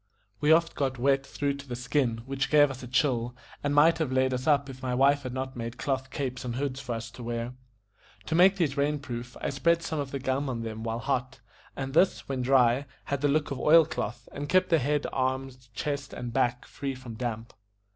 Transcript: We oft got wet through to the skin, which gave us a chill, and might have laid us up if my wife had not made cloth capes and hoods for us to wear. To make these rain proof, I spread some of the gum on them while hot, and this, when dry, had the look of oil cloth, and kept the head, arms, chest, and back free from damp.